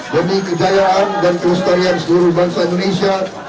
demi kedayaan dan kelestarian seluruh bangsa indonesia